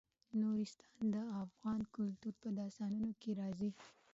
نورستان د افغان کلتور په داستانونو کې راځي.